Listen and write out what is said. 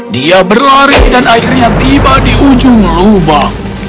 dia berlari dan akhirnya tiba di ujung lubang